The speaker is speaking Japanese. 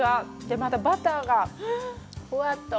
またバターがふわっと。